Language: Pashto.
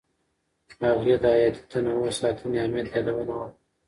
هغې د حیاتي تنوع ساتنې اهمیت یادونه وکړه.